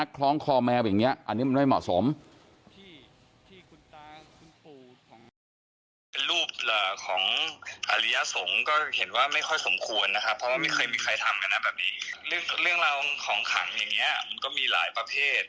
คนกัดผมก็เชื่อว่า